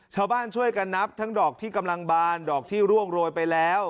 ชาวบ้านช่วยกันนับทั้งดอกที่กำลังบานดอกที่ร่วงโรยไปแล้ว